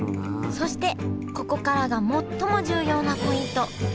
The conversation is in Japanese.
そしてここからが最も重要なポイント。